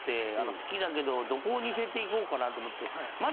好きだけどどこを似せていこうかなと思って。